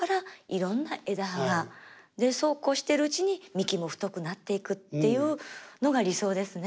でそうこうしているうちに幹も太くなっていくっていうのが理想ですね。